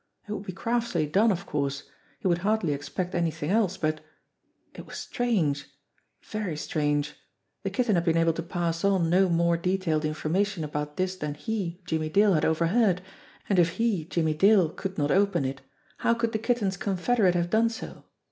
It would be craftily done, of course; he would hardly expect anything else, but It was strange ! Very strange ! The Kitten had been able to pass on no more detailed information about this than he, Jimmie Dale, had overheard; and if he, Jimmie Dale, could not open it, how could the Kitten's con federate have done so